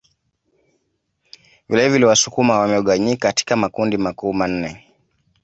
Vilevile Wasukuma wamegawanyika katika makundi makuu manne